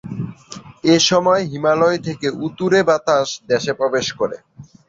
এসময় হিমালয় থেকে উত্তুরে বাতাস দেশে প্রবেশ করে।